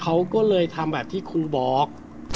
เขาก็เลยทำแบบที่ครูบอก